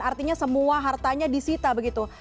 artinya semua hartanya disita begitu